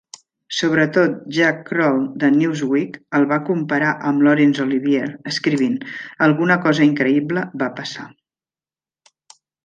Sobretot, Jack Kroll de "Newsweek" el va comparar amb Laurence Olivier, escrivint: "Alguna cosa increïble va passar.